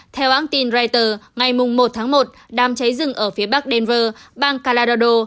theo áng tin reuters ngày một một đám cháy rừng ở phía bắc denver bang colorado